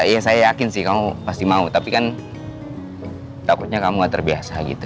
ya saya yakin sih kamu pasti mau tapi kan takutnya kamu gak terbiasa gitu